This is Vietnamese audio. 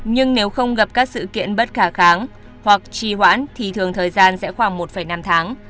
nhưng nếu không gặp các sự kiện bất khả kháng hoặc trì hoãn thì thường thời gian sẽ khoảng một năm tháng